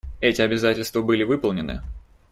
Эти обязательства были выполнены.